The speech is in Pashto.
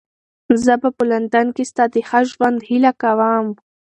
زه به په لندن کې ستا د ښه ژوند هیله کوم.